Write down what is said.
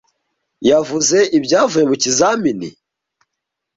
Yavuze ibyavuye mu kizamini?